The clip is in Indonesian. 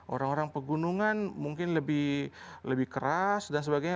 orang orang pegunungan mungkin lebih keras dan sebagainya